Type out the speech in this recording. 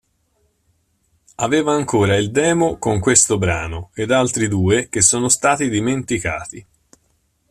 Aveva ancora il demo con questo brano ed altri due che sono stati dimenticati.